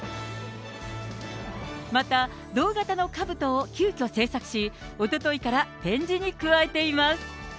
また同型のかぶとを急きょ製作し、おとといから展示に加えています。